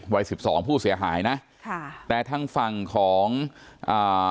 สิบสองผู้เสียหายนะค่ะแต่ทางฝั่งของอ่า